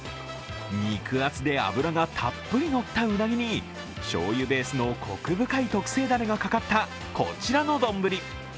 肉厚で脂がたっぷりのったうなぎにしょうゆベースのコク深い特製だれがかかったこちらの丼。